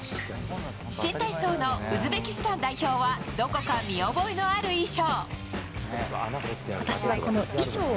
新体操のウズベキスタン代表はどこか見覚えのある衣装。